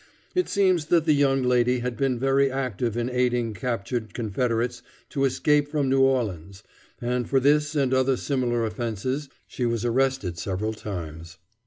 It seems that the young lady had been very active in aiding captured Confederates to escape from New Orleans, and for this and other similar offenses she was arrested several times.